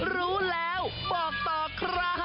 รู้แล้วบอกตอบ